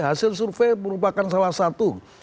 hasil survei merupakan salah satu